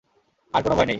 আর কোনো ভয় নেই।